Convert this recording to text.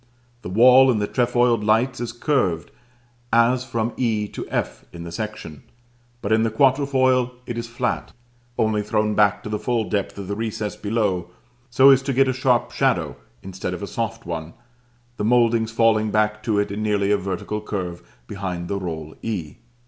The wall in the trefoiled lights is curved, as from e to f in the section; but in the quatrefoil it is flat, only thrown back to the full depth of the recess below so as to get a sharp shadow instead of a soft one, the mouldings falling back to it in nearly a vertical curve behind the roll e.